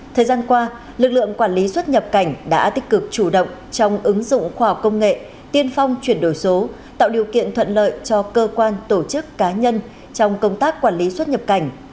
thời gian qua lực lượng quản lý xuất nhập cảnh đã tích cực chủ động trong ứng dụng khoa học công nghệ tiên phong chuyển đổi số tạo điều kiện thuận lợi cho cơ quan tổ chức cá nhân trong công tác quản lý xuất nhập cảnh